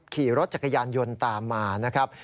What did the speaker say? ขี่รถจักรยานยนต์ตามมานะครับ